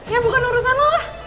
ya bukan urusan lo lah